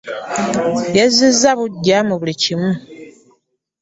Yezziza bugya mu buli kimu.